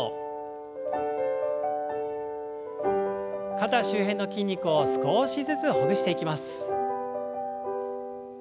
肩周辺の筋肉を少しずつほぐしていきます。